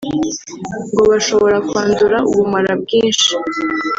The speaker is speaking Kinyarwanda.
ngo bashobora kwandura ubumara bwinshi